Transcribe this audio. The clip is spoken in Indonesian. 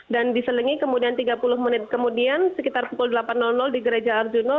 dan diselingi kemudian tiga puluh menit kemudian sekitar pukul delapan di gereja arjuna